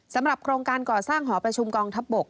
สำหรับโครงการก่อสร้างหอประชุมกองทัพบก